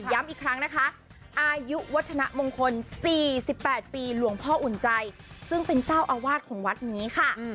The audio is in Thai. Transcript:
ย้ำอีกครั้งนะคะอายุวัฒนมงคล๔๘ปีหลวงพ่ออุ่นใจซึ่งเป็นเจ้าอาวาสของวัดนี้ค่ะ